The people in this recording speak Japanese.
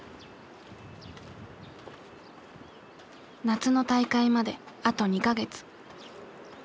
夏の大会まであと２か月。